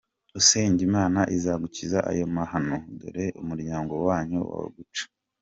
usenge imana izagukiza ayo mahano doreko numuryango wanyu waguca.